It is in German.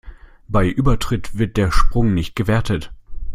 Bei Übertritt wird der Sprung nicht gewertet.